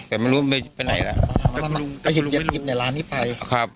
แต่ไม่รู้มันไปไหนละ